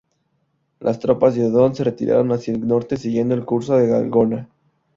Las tropas de Odón se retiraron hacia el norte siguiendo el curso del Garona.